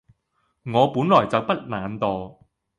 我本來就不懶惰